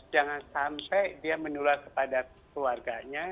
jangan sampai dia menular kepada keluarganya